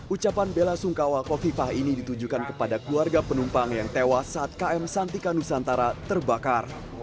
ucapan bela sungkawa kofifah ini ditujukan kepada keluarga penumpang yang tewas saat km santika nusantara terbakar